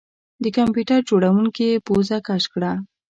د کمپیوټر جوړونکي پوزه کش کړه